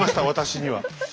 私には。